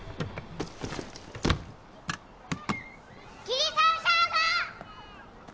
桐沢さんだ！